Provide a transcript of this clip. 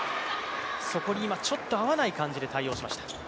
そこに今、ちょっと合わない感じで対応しました。